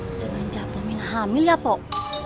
sebenarnya saya sudah hamil ya pak